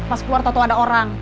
pas keluar tau ada orang